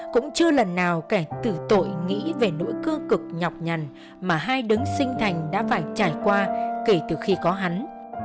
cũng chưa lần nào kể từ tội nghĩ về nỗi cơ cực nhọc nhằn mà hai đứa sinh thành đã phải trải qua kể từ khi có hắn